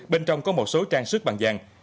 bên trong có một số trang sức bằng vàng